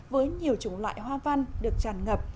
với nhiều chủng loại hoa văn được tràn ngập